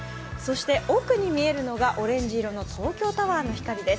奥に見えるのがオレンジ色の東京タワーの光です。